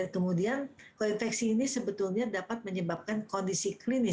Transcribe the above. kemudian koinfeksi ini sebetulnya dapat menyebabkan kondisi klinis